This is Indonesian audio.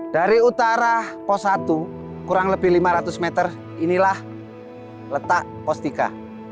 dari utara pos satu kurang lebih lima ratus meter inilah letak postika